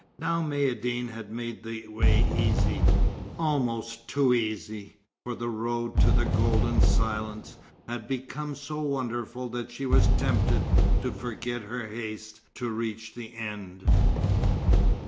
Now Maïeddine had made the way easy almost too easy, for the road to the golden silence had become so wonderful that she was tempted to forget her haste to reach the end.